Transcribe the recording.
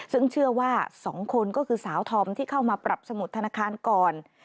ซึ่งเชื่อว่า๒คนก็คือสาวธอมที่เข้ามาปรับสมุดธนาคารก่อน